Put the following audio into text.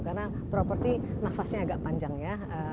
karena property nafasnya agak panjang ya